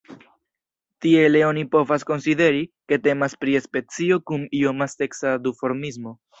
Tiele oni povas konsideri, ke temas pri specio kun ioma seksa duformismo.